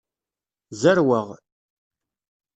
Zerweɣ.